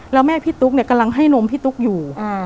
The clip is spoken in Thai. แล้วแม่พี่ตุ๊กเนี่ยกำลังให้นมพี่ตุ๊กอยู่